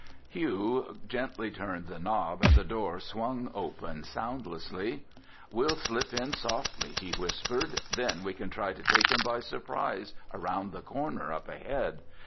Hugh gently turned the knob and the door swung open soundlessly. "We'll slip in softly," he whispered. "Then we can try to take him by surprise around the corner up ahead.